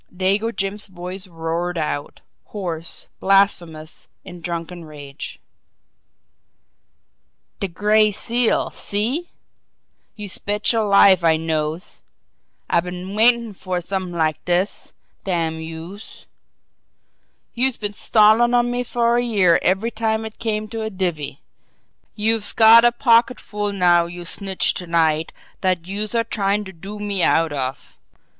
Dago Jim's voice roared out, hoarse, blasphemous, in drunken rage: "De Gray Seal see! Youse betcher life I knows! I been waitin' fer somet'ing like dis, damn youse! Youse been stallin' on me fer a year every time it came to a divvy. Youse've got a pocketful now youse snitched to night dat youse are tryin' to do me out of.